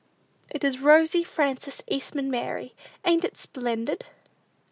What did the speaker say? "It is Rosy Frances Eastman Mary; ain't it splendid?"